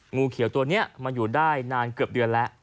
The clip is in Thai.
งูเขียวตัวนี้มาอยู่ได้นานเกือบเดือนแล้ว